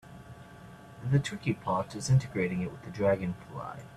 The tricky part is integrating it with Dragonfly.